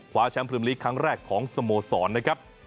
แชมปริมลีกครั้งแรกของสโมสรนะครับ